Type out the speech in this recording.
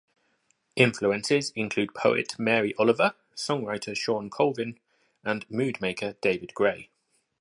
Influences include poet Mary Oliver, songwriter Shawn Colvin, and mood maker David Gray.